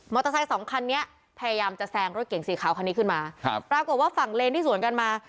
สองคันนี้พยายามจะแซงรถเก่งสีขาวคันนี้ขึ้นมาครับปรากฏว่าฝั่งเลนที่สวนกันมา